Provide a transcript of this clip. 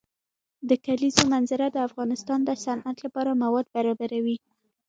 د کلیزو منظره د افغانستان د صنعت لپاره مواد برابروي.